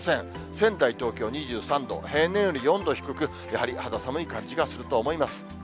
仙台、東京２３度、平年より４度低く、やはり肌寒い感じがすると思います。